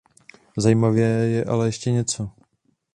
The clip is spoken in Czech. Zajímavé je ale ještě něco.